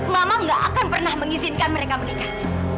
mama gak akan pernah mengizinkan mereka menikah